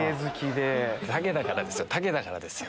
タケだからですよ。